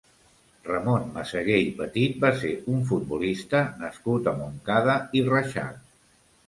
Ramon Masagué i Petit va ser un futbolista nascut a Montcada i Reixac.